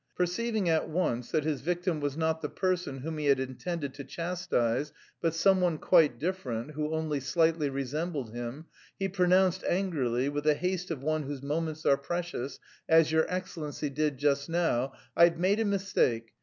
Perceiving at once that his victim was not the person whom he had intended to chastise but someone quite different who only slightly resembled him, he pronounced angrily, with the haste of one whose moments are precious as your Excellency did just now 'I've made a mistake...